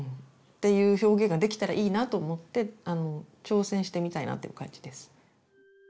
ていう表現ができたらいいなと思って挑戦してみたいなっていう感じです。